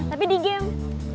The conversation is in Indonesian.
tapi di game